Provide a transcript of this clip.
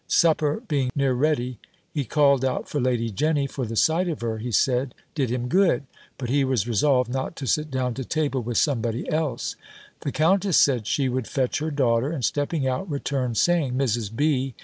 Supper being near ready, he called out for Lady Jenny, for the sight of her, he said, did him good; but he was resolved not to sit down to table with somebody else. The countess said, she would fetch her daughter; and stepping out, returned saying, "Mrs. B.